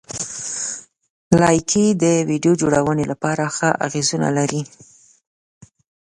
لایکي د ویډیو جوړونې لپاره ښه اغېزونه لري.